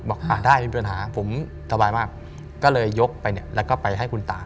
ได้มีปัญหาผมสบายมากก็เลยยกไปเนี่ยแล้วก็ไปให้คุณตา